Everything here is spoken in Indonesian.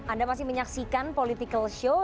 anda masih menyaksikan political show